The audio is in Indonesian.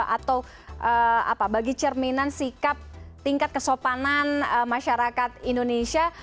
atau bagi cerminan sikap tingkat kesopanan masyarakat indonesia